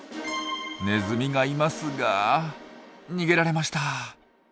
ネズミがいますが逃げられました。